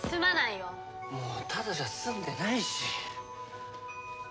もうただじゃ済んでないし。